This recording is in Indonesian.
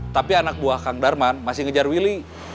tapi anak buah kang darman masih ngejar willy